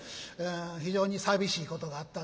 非常に寂しいことがあったんですが。